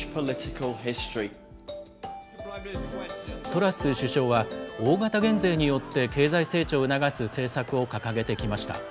トラス首相は、大型減税によって経済成長を促す政策を掲げてきました。